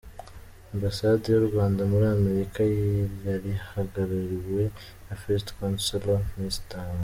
Ambasade y’u Rwanda muri Amerika yarihagariwe na First counsellor Mr.